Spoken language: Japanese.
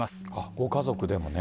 ご家族でもね。